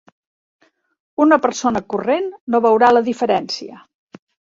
Una persona corrent no veurà la diferència.